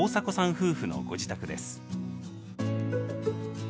夫婦のご自宅です。